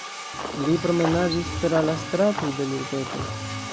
Li promenadis tra la stratoj de l'urbeto.